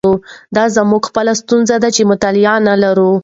دا زموږ خپله ستونزه ده چې مطالعه نه لرو.